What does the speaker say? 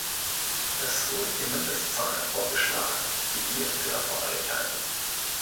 Es wurde die Mindestzahl vorgeschlagen, die wir für erforderlich halten.